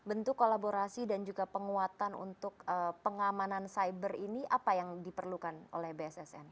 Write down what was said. bentuk kolaborasi dan juga penguatan untuk pengamanan cyber ini apa yang diperlukan oleh bssn